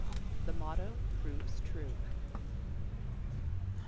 THE MOTTO PROVES TRUE.